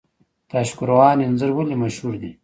تاشقرغان انځر ولې مشهور دي؟